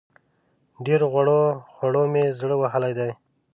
ډېرو غوړو خوړو مې زړه وهلی دی.